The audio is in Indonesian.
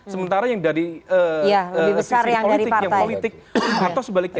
sementara yang dari sisi politik atau sebaliknya